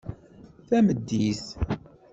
Tameddit